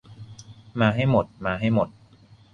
มาให้หมด มาให้หมด